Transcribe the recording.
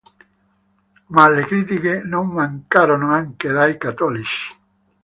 Ma le critiche non mancarono anche dai cattolici.